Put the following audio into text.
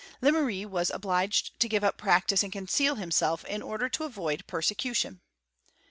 Lemery was obliged to give up practice and conceal himself, in order to avoid persecution.